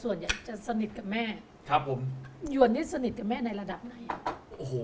ส่วนใหญ่จะสนิทกับแม่ครับผมหยวนนี่สนิทกับแม่ในระดับไหนอ่ะโอ้โห